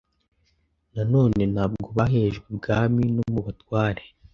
Na none ntabwo bahejwe ibwami no mu batware